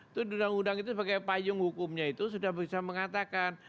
itu di undang undang itu sebagai payung hukumnya itu sudah bisa mengatakan